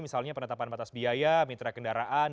misalnya penetapan batas biaya mitra kendaraan